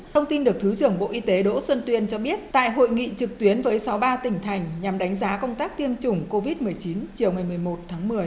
thông tin được thứ trưởng bộ y tế đỗ xuân tuyên cho biết tại hội nghị trực tuyến với sáu mươi ba tỉnh thành nhằm đánh giá công tác tiêm chủng covid một mươi chín chiều ngày một mươi một tháng một mươi